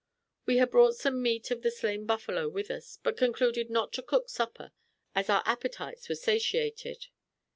We had brought some meat of the slain buffalo with us, but concluded not to cook supper, as our appetites were satiated.